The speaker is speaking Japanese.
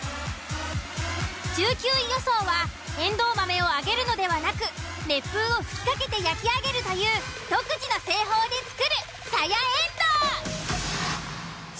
１９位予想はえんどう豆を揚げるのではなく熱風を吹きかけて焼き上げるという独自の製法で作るさやえんどう。